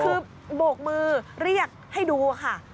คือโบกมือเรียกให้ดูค่ะ